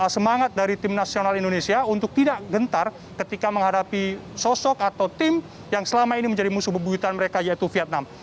semangat dari tim nasional indonesia untuk tidak gentar ketika menghadapi sosok atau tim yang selama ini menjadi musuh bebuyutan mereka yaitu vietnam